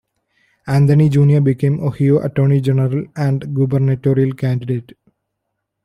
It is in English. Anthony Junior became Ohio Attorney General and gubernatorial candidate.